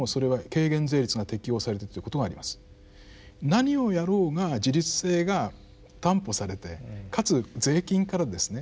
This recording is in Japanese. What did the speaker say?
何をやろうが自立性が担保されてかつ税金からですね